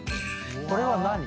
これは何？